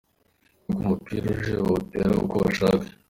Uko umupira uje bawutera uko bashaka.